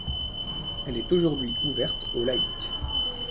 Elle est aujourd'hui ouverte aux laïcs.